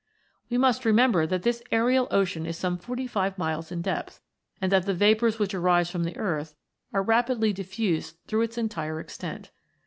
37 We must remember that this aerial ocean is some forty five miles in depth, and that the vapours which arise from the earth are rapidly diffused throughout its entire extent.